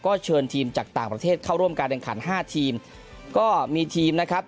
ก็เชิญทีมจากต่างประเทศเข้าร่วมการแข่งขันห้าทีมก็มีทีมนะครับ